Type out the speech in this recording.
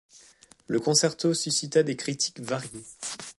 Le concerto suscita des critiques variées.